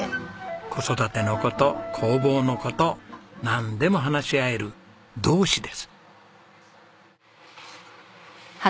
子育ての事工房の事なんでも話し合える同志です。